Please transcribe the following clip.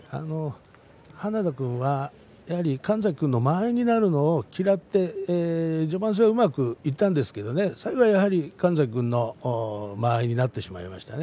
花田君は神崎君の間合いになるのを嫌って序盤戦はうまくいったんですけれど最後はやはり神崎君の間合いになってしまいましたね。